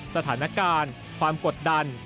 สถานการณ์ความกดดัน